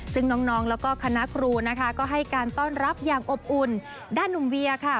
ซึ่งน้องแล้วก็คณะครูนะคะก็ให้การต้อนรับอย่างอบอุ่นด้านหนุ่มเวียค่ะ